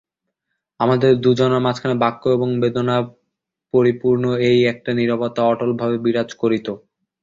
আমাদের দুজনার মাঝখানে বাক্য এবং বেদনায় পরিপূর্ণ এই একটা নীরবতা অটলভাবে বিরাজ করিত।